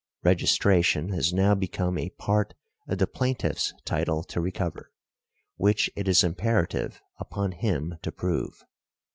Registration has now become a part of the plaintiff's title to recover, which it is imperative upon him to prove.